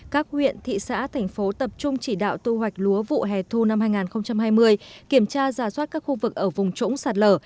các huyện thị xã thành phố tập trung chỉ đạo tu hoạch lúa vụ hè thu năm hai nghìn hai mươi kiểm tra giả soát các khu vực ở vùng trũng sạt lở